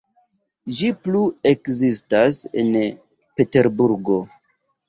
Ĝi plu ekzistas en Peterburgo.